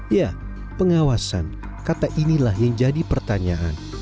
ya pengawasan kata inilah yang jadi pertanyaan